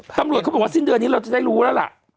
ตำรวจเขาบอกว่าสิ้นเดือนนี้เราจะได้รู้แล้วล่ะ